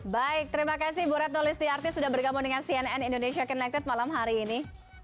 baik terima kasih bu retno listiarti sudah bergabung dengan cnn indonesia connected malam hari ini